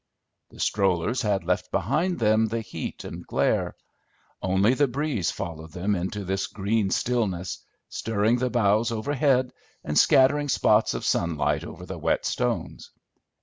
The strollers had left behind them the heat and glare; only the breeze followed them into this green stillness, stirring the boughs overhead and scattering spots of sunlight over the wet stones.